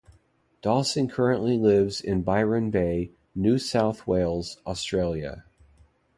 Dahlsen currently lives in Byron Bay, New South Wales, Australia.